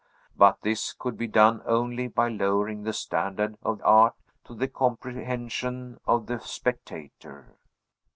But this could be done only by lowering the standard of art to the comprehension of the spectator.